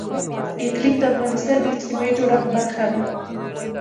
اقلیم د افغانستان د اجتماعي جوړښت برخه ده.